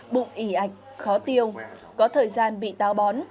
bụng ỉ ạch khó tiêu có thời gian bị táo bón